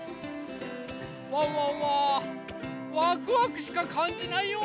ワンワンはワクワクしかかんじないよ！